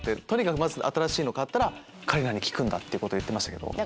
とにかくまず新しいの買ったら香里奈に聞くんだってことを言ってましたけど。